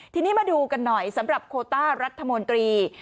ทีนี้มาดูกันหน่อยสำหรับโคต้ารัฐมนตรี